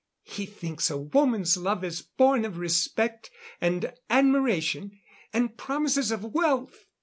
He thinks a woman's love is born of respect, and admiration, and promises of wealth.